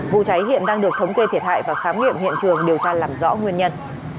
vụ cháy hiện đang được thống kê thiệt hại và khám nghiệm hiện trường điều tra làm rõ nguyên nhân